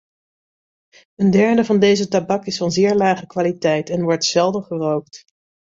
Een derde van deze tabak is van zeer lage kwaliteit en wordt zelden gerookt.